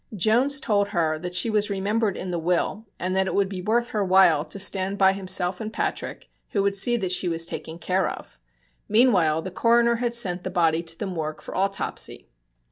Jones told her that she was remembered in the will and that it would be worth her while to stand by himself and Patrick, who would see that she was taken care of. Meanwhile the coroner had sent the body to the morgue for autopsy.